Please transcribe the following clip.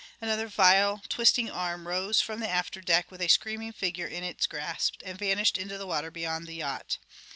Another vile, twisting arm rose from the afterdeck with a screaming figure in its grasp and vanished into the water beyond the yacht.